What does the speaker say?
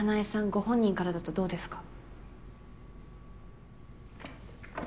ご本人からだとどうですか？